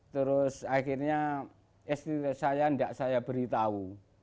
terus akhirnya istri saya tidak saya beritahu